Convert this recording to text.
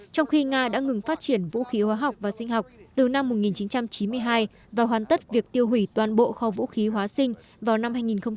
trong khi nga đã ngừng phát triển vũ khí hóa học và sinh học từ năm một nghìn chín trăm chín mươi hai và hoàn tất việc tiêu hủy toàn bộ kho vũ khí hóa sinh vào năm hai nghìn một mươi năm